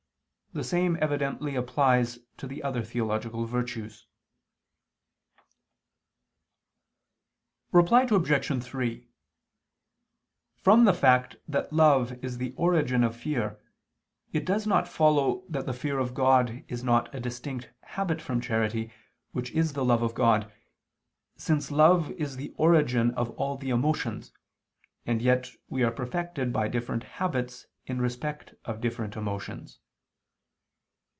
The same evidently applies to the other theological virtues. Reply Obj. 3: From the fact that love is the origin of fear, it does not follow that the fear of God is not a distinct habit from charity which is the love of God, since love is the origin of all the emotions, and yet we are perfected by different habits in respect of different emotions.